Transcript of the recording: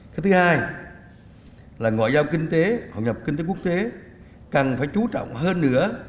cái thứ hai là ngoại giao kinh tế hội nhập kinh tế quốc tế cần phải chú trọng hơn nữa